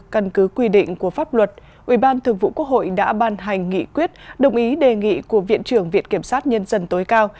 căn cứ quy định của pháp luật ubthqh đã ban hành nghị quyết đồng ý đề nghị của viện trưởng viện kiểm sát nhân dân tối cao